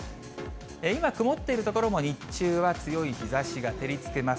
今、曇っている所も日中は強い日ざしが照りつけます。